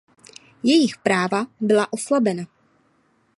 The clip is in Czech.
Jejich práva byla oslabena.